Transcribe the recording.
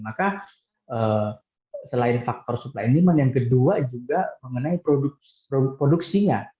maka selain faktor supply and demand yang kedua juga mengenai produksinya